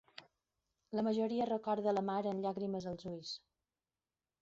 La majoria recorda la mare amb llàgrimes als ulls.